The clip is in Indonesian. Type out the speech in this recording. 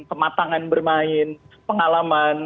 kematangan bermain pengalaman